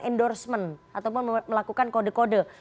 endorsement ataupun melakukan kode kode